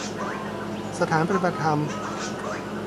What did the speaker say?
สถานปฏิบัติธรรม